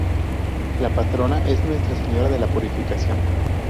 La patrona es Nuestra Señora de la Purificación.